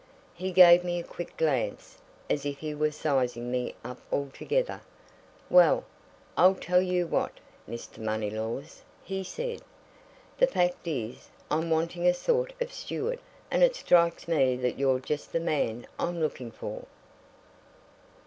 He gave me a quick glance, as if he were sizing me up altogether. "Well, I'll tell you what, Mr. Moneylaws," he said. "The fact is, I'm wanting a sort of steward, and it strikes me that you're just the man I'm looking for!"